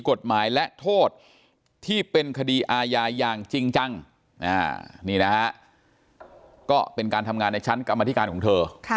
กฎหมายและโทษที่เป็นคดีอาญาอย่างจริงจังนี่นะฮะก็เป็นการทำงานในชั้นกรรมธิการของเธอ